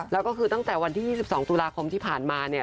แล้วก็คือตั้งแต่วันที่๒๒ตุลาคมที่ผ่านมาเนี่ย